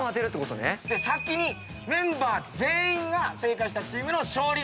先にメンバー全員が正解したチームの勝利です。